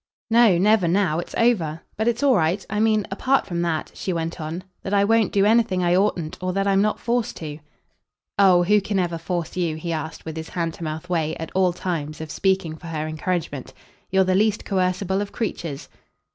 "No never now. It's over. But it's all right. I mean, apart from that," she went on, "that I won't do anything I oughtn't or that I'm not forced to." "Oh who can ever force you?" he asked with his hand to mouth way, at all times, of speaking for her encouragement. "You're the least coercible of creatures."